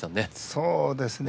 そうですね。